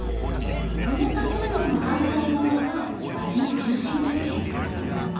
この建物の反対側が街の中心だっけ。